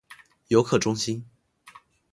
游客中心